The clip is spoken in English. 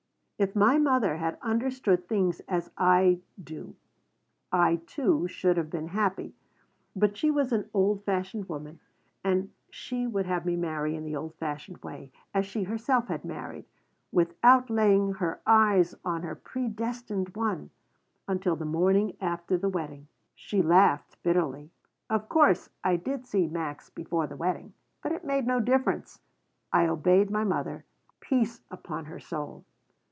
If my mother had understood things as I do, I, too, should have been happy. But she was an old fashioned woman and she would have me marry in the old fashioned way, as she herself had married: without laying her eyes on her 'predestined one' until the morning after the wedding." She laughed bitterly. "Of course I did see Max before the wedding, but it made no difference. I obeyed my mother, peace upon her soul.